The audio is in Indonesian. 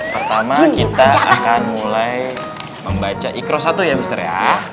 pertama kita akan mulai membaca ikro satu ya mr ya